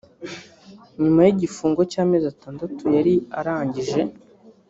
nyuma y’igifungo cy’amezi atandatu yari arangije